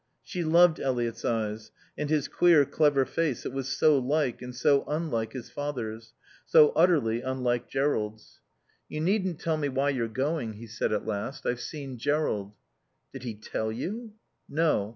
She loved Eliot's eyes, and his queer, clever face that was so like and so unlike his father's, so utterly unlike Jerrold's. "You needn't tell me why you're going," he said at last. "I've seen Jerrold." "Did he tell you?" "No.